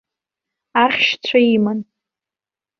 Ахьшьцәа иман.